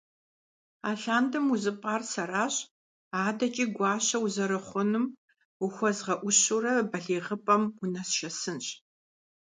Алъандэрэ узыпӀар сэращ, адэкӀи гуащэ узэрыхъуным ухуэзгъэӀущурэ балигъыпӀэм унэсшэсынщ.